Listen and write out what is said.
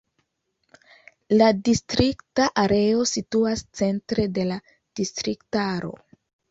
La distrikta areo situas centre de la distriktaro.